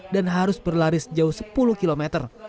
dan harus berlaris jauh sepuluh km